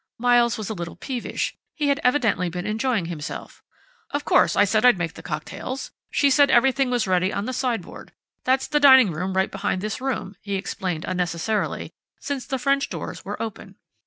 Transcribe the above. Miles was a little peevish; he had evidently been enjoying himself. "Of course I said I'd make the cocktails she said everything was ready on the sideboard. That's the dining room right behind this room," he explained unnecessarily, since the French doors were open.